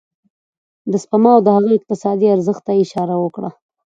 د سپما او د هغه اقتصادي ارزښت ته يې اشاره وکړه.